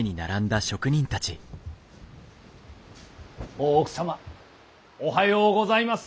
大奥様おはようございます。